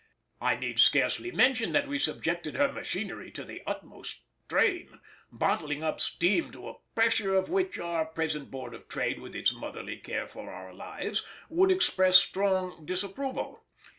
I need scarcely mention that we subjected her machinery to the utmost strain, bottling up steam to a pressure of which our present Board of Trade, with its motherly care for our lives, would express strong disapproval.